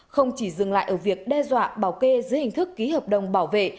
không chỉ dừng lại ở việc đe dọa bảo kê dưới hình thức ký hợp đồng bảo vệ